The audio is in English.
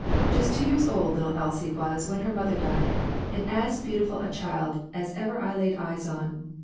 Just two years old little Elsie was when her mother died, and as beautiful a child as ever I laid eyes on.